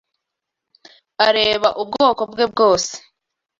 areba ubwoko bwe bwose